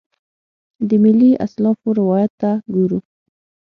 د ملي اسلافو روایت ته ګورو.